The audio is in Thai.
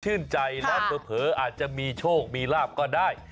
ใจแล้วเผลออาจจะมีโชคมีลาบก็ได้